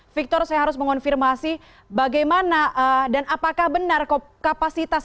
victor saya harus mengonfirmasi bagaimana dan apakah benar kapasitas